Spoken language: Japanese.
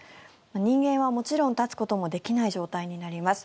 人間はもちろん立つこともできない状態になります。